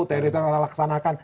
teori itu anda laksanakan